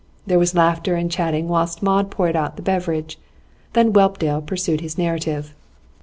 There was laughter and chatting whilst Maud poured out the beverage. Then Whelpdale pursued his narrative.